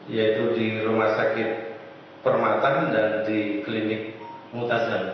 yaitu di rumah sakit permatan dan di klinik mutazah